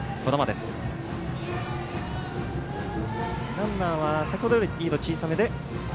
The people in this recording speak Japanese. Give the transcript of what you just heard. ランナーは先ほどよりリード小さめで。